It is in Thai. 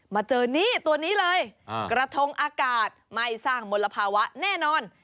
มาเจอนี่ตัวนี้เลยกระทงอากาศไม่สร้างมลภาวะแน่นอน